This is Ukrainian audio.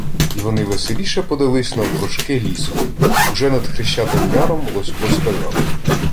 Й вони веселіше подались навпрошки лісом. Уже над Хрещатим Яром Лосько сказав: